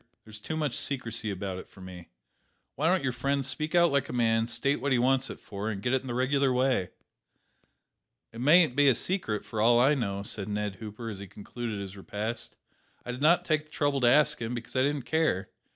"There's too much secrecy about it for me. Why don't your friend speak out like a man; state what he wants it for, and get it in the regular way?" "It mayn't be a secret, for all I know," said Ned Hooper, as he concluded his repast. "I did not take the trouble to ask him; because I didn't care.